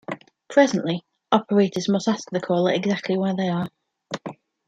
Presently, operators must ask the caller exactly where they are.